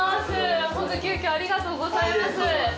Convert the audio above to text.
ほんと急きょ、ありがとうございます。